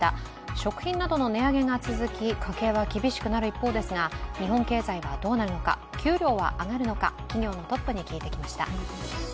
食品などの値上げが続き、家計は厳しくなる一方ですが、日本経済はどうなるのか給料は上がるのか企業のトップに聞いてきました。